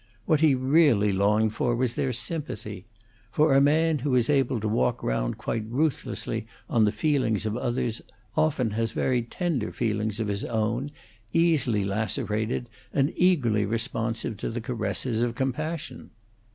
What he really longed for was their sympathy; for a man who is able to walk round quite ruthlessly on the feelings of others often has very tender feelings of his own, easily lacerated, and eagerly responsive to the caresses of compassion.